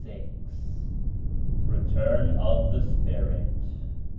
If RETURN OF THE SPIRIT.